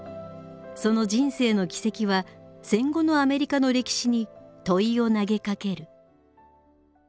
その人生の軌跡は戦後のアメリカの歴史に問いを投げかける。